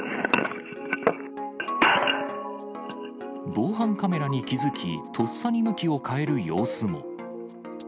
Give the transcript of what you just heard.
防犯カメラに気付き、とっさに向きを変える様子も。